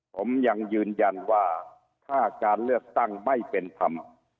ผมยังยืนยันว่าถ้าการเลือกตั้งไม่เป็นธรรม